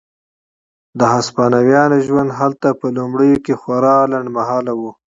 د هسپانویانو ژوند هلته په لومړیو کې خورا لنډ مهاله و.